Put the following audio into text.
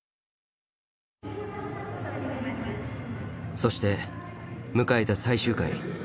そして迎えた最終回７回表。